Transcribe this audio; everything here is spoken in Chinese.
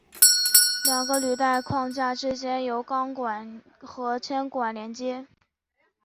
两个履带框架之间由钢管和铅管连接。